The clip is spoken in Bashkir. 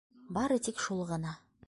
Бары тик шул ғына.